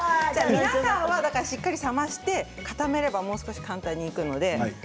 皆さんはしっかり冷まして固めればもう少し簡単にいくので。